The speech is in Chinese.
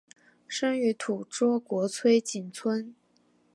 生于土佐国吹井村。